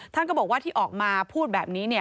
ท่านก็บอกว่าที่ออกมาพูดแบบนี้